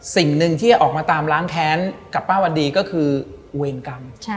สิ่งหนึ่งที่ออกมาตามล้างแค้นกับป้าวันดีก็คือเวรกรรม